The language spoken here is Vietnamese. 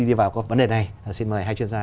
đi vào các vấn đề này xin mời hai chuyên gia